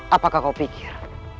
apakah kau pikir